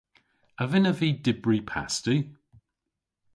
A vynnav vy dybri pasti?